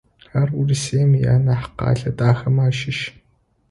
Ар Урысыем ианахь къэлэ дахэмэ ащыщ.